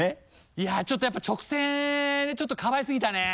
いやぁちょっとやっぱり直線でちょっとかばいすぎたね。